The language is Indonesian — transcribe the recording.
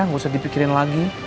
gak usah dipikirin lagi